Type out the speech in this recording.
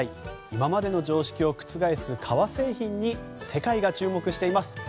今までの常識を覆す革製品に世界が注目しています。